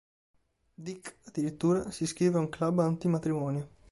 Dick, addirittura, si iscrive a un club anti-matrimonio.